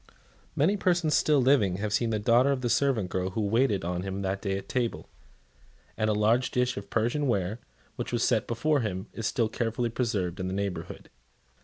Many persons still living have seen the daughter of the servant girl who waited on him that day at table; and a large dish of Persian ware, which was set before him, is still carefully preserved in the neighbourhood.